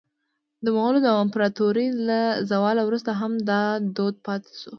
د مغولو د امپراطورۍ له زواله وروسته هم دا دود پاتې شو.